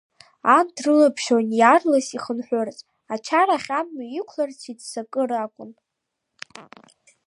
Ан дрылабжьон иаарлас ихынҳәырц, ачарахь амҩа иқәларц иццакыр акәын.